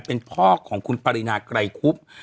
เป็นพ่อของคุณปรินาไกรคุบ